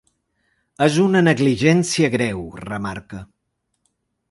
És una negligència greu, remarca.